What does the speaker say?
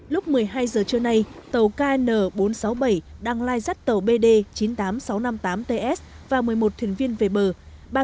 lúc một mươi hai giờ trưa nay tàu kn bốn trăm sáu mươi bảy đang lai dắt tàu bd chín mươi tám nghìn sáu trăm năm mươi tám ts và một mươi một thuyền viên về bờ